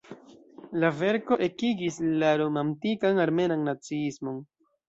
La verko ekigis la romantikan armenan naciismon.